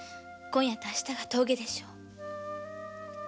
今夜とあしたが峠でしょう。